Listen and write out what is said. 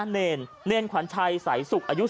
เนรขวัญชัยสายศุกร์อายุ๓๓ปี